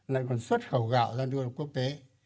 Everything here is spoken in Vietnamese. lại còn xuất khẩu gạo ra đường quốc tế